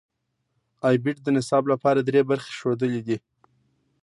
ای بیټ د نصاب لپاره درې برخې ښودلې دي.